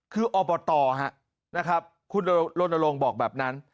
คืออบตคุณโรนโลงบอกแบบนั้น